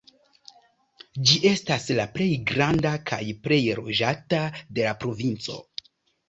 Ĝi estas la plej granda kaj plej loĝata de la provinco.